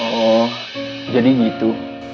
oh jadi gitu